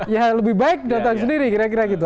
ya lebih baik datang sendiri kira kira gitu